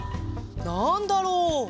「なんだろう」